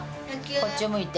こっちを向いて。